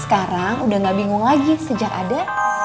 sekarang udah gak bingung lagi sejak ada